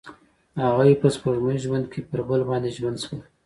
هغوی په سپوږمیز ژوند کې پر بل باندې ژمن شول.